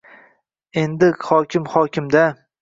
Endi hokim hokim-da